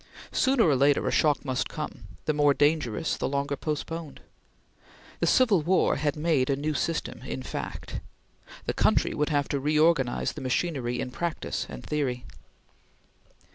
Sooner or later a shock must come, the more dangerous the longer postponed. The Civil War had made a new system in fact; the country would have to reorganize the machinery in practice and theory.